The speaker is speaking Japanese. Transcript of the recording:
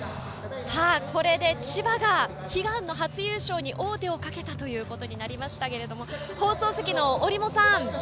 これで千葉が悲願の初優勝に王手をかけたということになりましたけど放送席の折茂さん